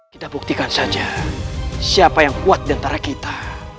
kita buktikan saja siapa yang kuat diantara kita